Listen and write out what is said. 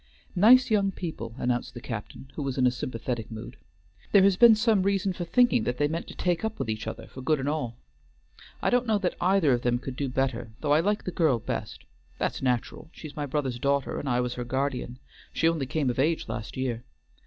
"Nice young people," announced the captain, who was in a sympathetic mood. "There has been some reason for thinking that they meant to take up with each other for good and all. I don't know that either of them could do better, though I like the girl best; that's natural; she's my brother's daughter, and I was her guardian; she only came of age last year.